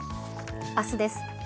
明日です。